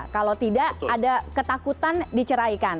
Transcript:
kalau tidak ada ketakutan diceraikan